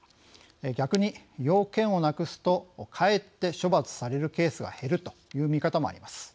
逆に要件をなくすとかえって処罰されるケースが減るという見方もあります。